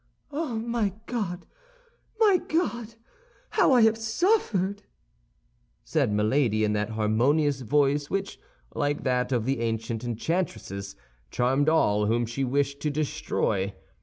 "Oh, my God, my God! how I have suffered!" said Milady, in that harmonious voice which, like that of the ancient enchantresses, charmed all whom she wished to destroy.